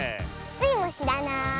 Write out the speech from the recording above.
スイもしらない。